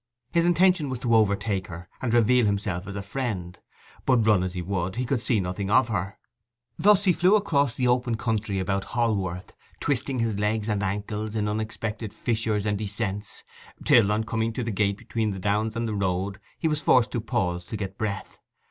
His intention was to overtake her, and reveal himself as a friend; but run as he would he could see nothing of her. Thus he flew across the open country about Holworth, twisting his legs and ankles in unexpected fissures and descents, till, on coming to the gate between the downs and the road, he was forced to pause to get breath.